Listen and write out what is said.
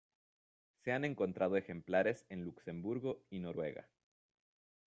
Se han encontrado ejemplares en Luxemburgo y Noruega.